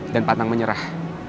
dan patang menyerah